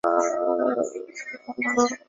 此后他担任了一系列社会职务。